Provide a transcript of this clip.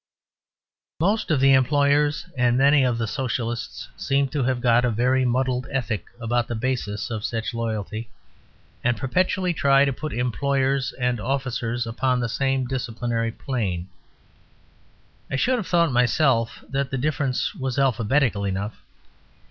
Most of the employers and many of the Socialists seem to have got a very muddled ethic about the basis of such loyalty; and perpetually try to put employers and officers upon the same disciplinary plane. I should have thought myself that the difference was alphabetical enough.